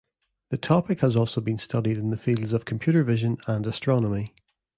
The topic has also been studied in the fields of computer vision and astronomy.